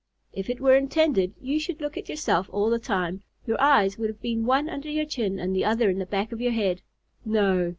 If it were intended you should look at yourself all the time, your eyes would have been one under your chin and the other in the back of your head. No!